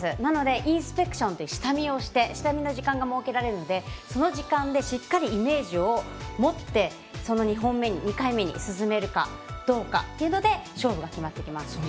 インスペクションって下見をして下見の時間が設けられるのでその時間でしっかりイメージを持って２本目、２回目に進めるかどうかというので勝負が決まってきます。